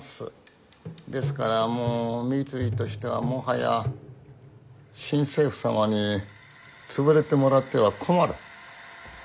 ですからもう三井としてはもはや新政府様に潰れてもらっては困る。